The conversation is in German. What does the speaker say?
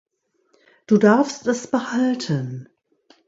Du darfst es behalten.